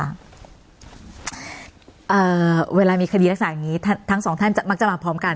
เวลามีคดีลักษณะอย่างนี้ทั้งสองท่านจะมักจะมาพร้อมกัน